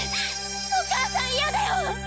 お母さん嫌だよ！